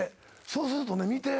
そうするとね見て。